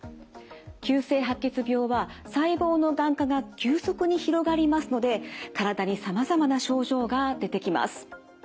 急性白血病は細胞のがん化が急速に広がりますので体にさまざまな症状が出てきます。